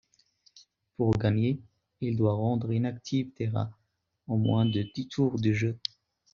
Pour gagner, il doit rendre inactive Terra en moins de dix tours de jeu.